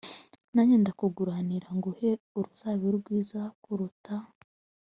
yanjye ndakuguranira nguhe uruzabibu rwiza kururuta